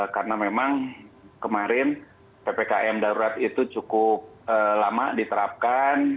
karena memang kemarin ppkm darurat itu cukup lama diterapkan